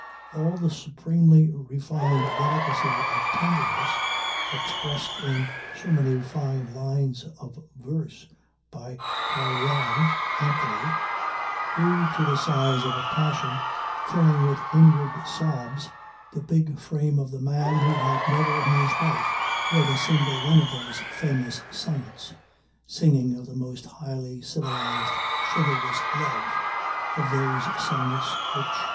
All the supremely refined delicacy of tenderness, expressed in so many fine lines of verse by Carleon Anthony, grew to the size of a passion filling with inward sobs the big frame of the man who had never in his life read a single one of those famous sonnets singing of the most highly civilized, chivalrous love, of those sonnets which